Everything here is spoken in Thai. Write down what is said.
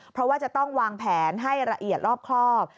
เพราะว่าจะต้องวางแผนให้ละเอียดรอบครอบ